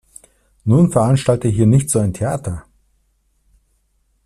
Nun veranstalte hier nicht so ein Theater.